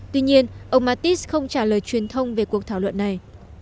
tuy nhiên ông mattis không trả lời truyền thông về cuộc thảo luận này